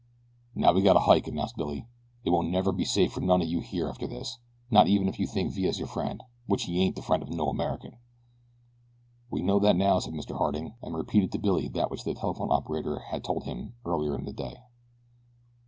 "Now we gotta hike," announced Billy. "It won't never be safe for none of you here after this, not even if you do think Villa's your friend which he ain't the friend of no American." "We know that now," said Mr. Harding, and repeated to Billy that which the telephone operator had told him earlier in the day.